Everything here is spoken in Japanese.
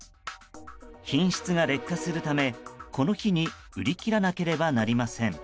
品質が劣化するため、この日に売り切らなければなりません。